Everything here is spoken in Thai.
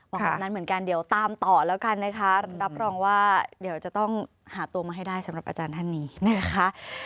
บอกแบบนั้นเหมือนกันเดี๋ยวตามต่อแล้วกันนะคะรับรองว่าเดี๋ยวจะต้องหาตัวมาให้ได้สำหรับอาจารย์ท่านนี้นะคะ